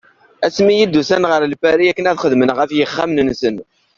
Asmi i d-ussan ɣer Lpari akken ad xedmen ɣef yixxamen-nsen.